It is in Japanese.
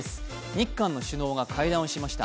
日韓の首脳が会談をしました。